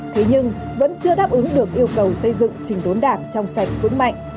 thế nhưng vẫn chưa đáp ứng được yêu cầu xây dựng trình đốn đảng trong sạch vững mạnh